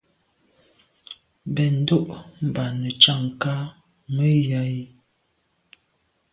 Mbèn ndo’ mba netsham nka menya yi.